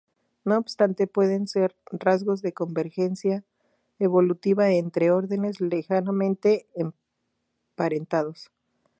No obstante pueden ser rasgos de convergencia evolutiva entre órdenes lejanamente emparentados.